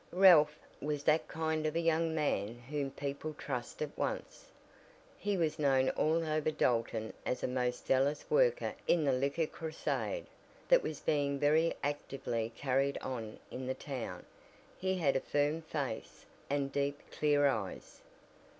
Ralph was that kind of a young man whom people trust at once. He was known all over Dalton as a most zealous worker in the "Liquor Crusade," that was being very actively carried on in the town. He had a firm face, and deep, clear eyes.